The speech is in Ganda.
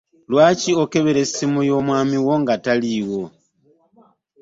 Lwaki okebera essimu y'omwami wo nga taliiwo?